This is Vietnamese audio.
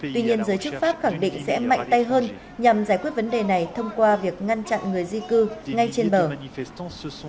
tuy nhiên giới chức pháp khẳng định sẽ mạnh tay hơn nhằm giải quyết vấn đề này thông qua việc ngăn chặn người di cư ngay trên bờ